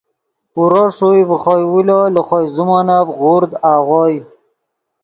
اورو ݰوئے ڤے خوئے اُولو لے خو زیمونف غورد آغوئے